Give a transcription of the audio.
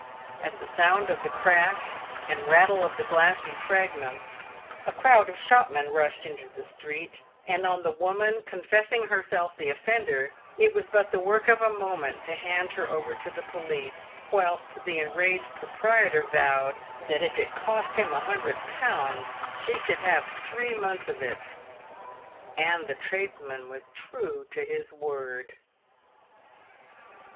At the sound of the crash and rattle of the glassy fragments, a crowd of shopmen rushed into the street ; and on the woman confessing herself the offender, it was but the work of a moment to hand her over to the police, whilst the enraged proprietor vowed " that if it cost him a hundred pounds, she should have three months of it." And the tradesman was true to his word.